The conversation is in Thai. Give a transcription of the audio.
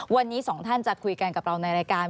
วันนี้สองท่านจะคุยกันกับเราในรายการ